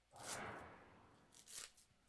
Uno de esos pueblos fue el de Bucaramanga.